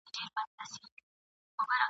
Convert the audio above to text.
هم یې توري هم یې غشي جوړوله !.